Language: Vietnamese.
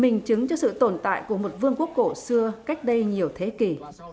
minh chứng cho sự tồn tại của một vương quốc cổ xưa cách đây nhiều thế kỷ